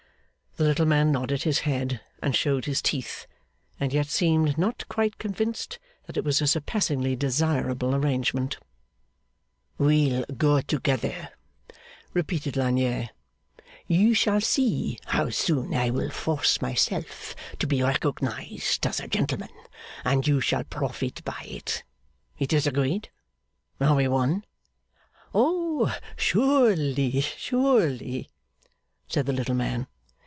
The little man nodded his head, and showed his teeth; and yet seemed not quite convinced that it was a surpassingly desirable arrangement. 'We'll go together,' repeated Lagnier. 'You shall see how soon I will force myself to be recognised as a gentleman, and you shall profit by it. It is agreed? Are we one?' 'Oh, surely, surely!' said the little man.